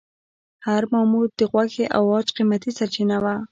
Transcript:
هر ماموت د غوښې او عاج قیمتي سرچینه وه.